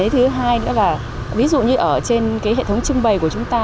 thứ hai nữa là ví dụ như ở trên hệ thống trưng bày của chúng ta